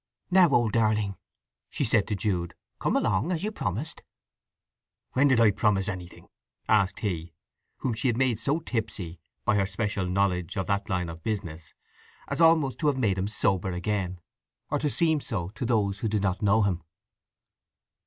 "Now, old darling," she said to Jude. "Come along, as you promised." "When did I promise anything?" asked he, whom she had made so tipsy by her special knowledge of that line of business as almost to have made him sober again—or to seem so to those who did not know him.